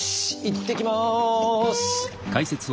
いってきます。